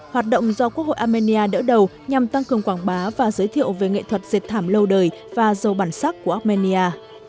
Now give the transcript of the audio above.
hoạt động do quốc hội armenia đỡ đầu nhằm tăng cường quảng bá và giới thiệu về nghệ thuật dệt thảm lâu đời và giàu bản sắc của armenia